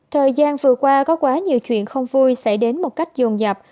thời gian vừa qua có quá nhiều chuyện không vui xảy đến một cách dồn dập